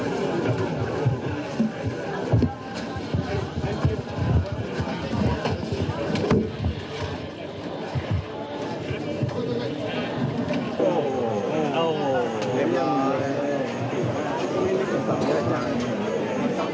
ครับครับ